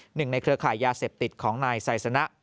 ในเครือข่ายยาเสพติดของนายไซสนะ